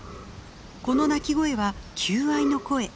この鳴き声は求愛の声。